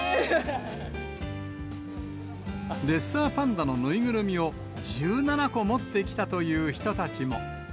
レッサーパンダの縫いぐるみを１７個持ってきたという人たちも。